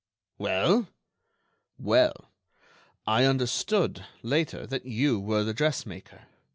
"Well?" "Well, I understood, later, that you were the dressmaker.